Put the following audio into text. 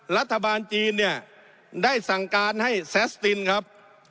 รัฐบาลจีนเนี่ยได้สั่งการให้แซสตินครับ